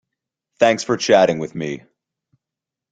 Thanks for chatting with me.